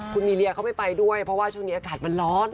คุณมีเลียเขาไม่ไปด้วยเพราะว่าช่วงนี้อากาศมันร้อน